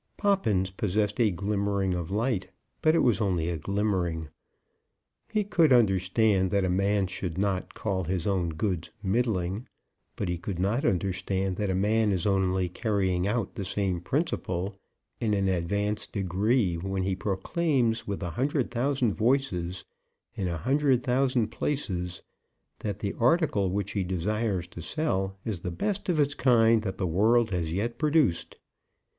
Poppins possessed a glimmering of light, but it was only a glimmering. He could understand that a man should not call his own goods middling; but he could not understand that a man is only carrying out the same principle in an advanced degree, when he proclaims with a hundred thousand voices in a hundred thousand places, that the article which he desires to sell is the best of its kind that the world has yet produced.